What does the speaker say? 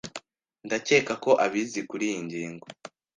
Ndakeka ko abizi kuriyi ngingo.